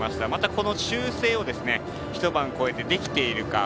この修正を一晩越えて、できているか。